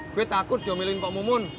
gue takut diomelin pak mumun